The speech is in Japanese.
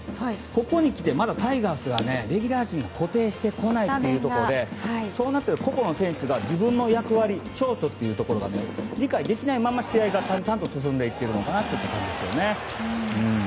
ここに来て、まだタイガースはレギュラー陣が固定してこないということでそうなってくると個々の選手が自分の役割長所っていうところが理解できないまま、試合が淡々と進んでいっているのかなという感じですよね。